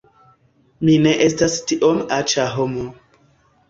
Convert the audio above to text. Mi ne estas tiom aĉa homo